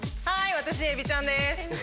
はい私えびちゃんです。